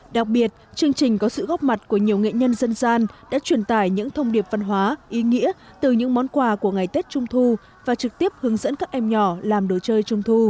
đặc biệt chương trình có sự góp mặt của nhiều nghệ nhân dân gian đã truyền tải những thông điệp văn hóa ý nghĩa từ những món quà của ngày tết trung thu và trực tiếp hướng dẫn các em nhỏ làm đồ chơi trung thu